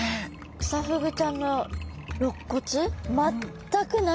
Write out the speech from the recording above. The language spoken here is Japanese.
クサフグちゃんのろっ骨全くないですね。